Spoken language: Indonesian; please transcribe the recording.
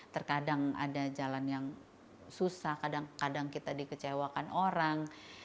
terkadang ada jalan yang susah kadang kadang kita dikecewakan orang